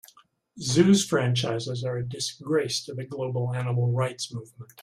Zoos franchises are a disgrace to the global animal rights movement.